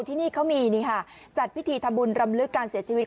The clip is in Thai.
ที่นี่เขามีจัดพิธีทำบุญรำลึกการเสียชีวิต